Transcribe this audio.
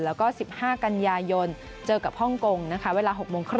แล้วก็๑๕กันยายนเจอกับฮ่องกงนะคะเวลา๖โมงคร